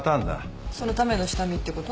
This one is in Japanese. そのための下見ってこと？